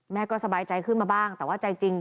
แม่ก็สบายใจขึ้นมาบ้างแต่ว่าใจจริง